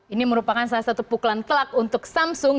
ini merupakan salah satu pukulan telak untuk samsung